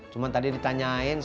cuman tadi ditanyain